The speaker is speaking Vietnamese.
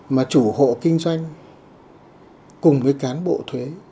mà chủ hộ kinh doanh cùng với cán bộ thuế